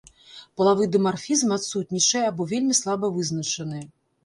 Палавы дымарфізм адсутнічае або вельмі слаба вызначаны.